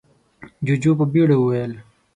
جُوجُو په بيړه وويل: